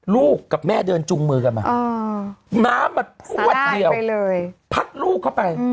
ลูกกับแม่เดินจุงมือกันมาน้ำมันพวดเดียวพัดลูกเข้าไป